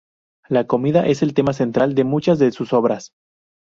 La comida es el tema central de muchas de sus obras.